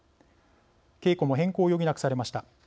稽古も変更を余儀なくされました。